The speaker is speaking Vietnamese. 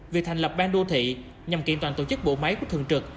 việc thành lập ban đô thị nhằm kiện toàn tổ chức bộ máy của thường trực